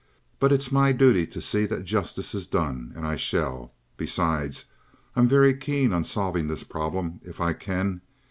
But it's my duty to see that justice is done, and I shall. Besides, I'm very keen on solving this problem, if I can.